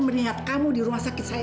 mengingat kamu di rumah sakit saya